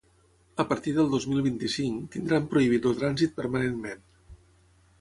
A partir del dos mil vint-i-cinc, tindran prohibit el trànsit permanentment.